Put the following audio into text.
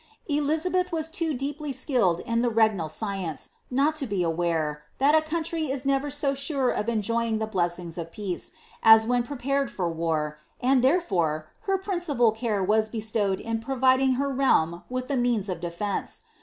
Elizabeth was too deeply skilled in the regnal science, not to be iware, that a country is never so sure of enjoying the blessings of peace, a* when prepared for war, and therefore, her principal care was bestowed in providing her realm with the means of defence.